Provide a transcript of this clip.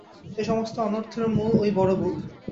এ সমস্ত অনর্থের মূল ঐ বড় বৌ!